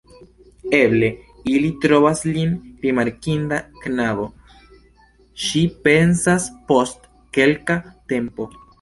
Eble ili trovas lin rimarkinda knabo, ŝi pensas post kelka tempo.